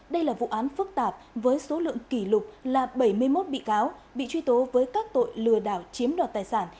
đây là vụ án phức tạp với số lượng kỷ lục là bảy mươi một bị cáo bị truy tố với các tội lừa đảo chiếm đoạt tài sản